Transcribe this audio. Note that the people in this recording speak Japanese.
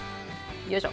よいしょ。